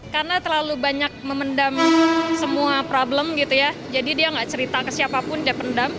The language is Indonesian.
karena terlalu banyak memendam semua problem gitu ya jadi dia gak cerita ke siapapun dia pendam